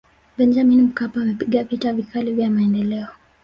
benjamin mkapa amepiga vita vikali vya maendeleo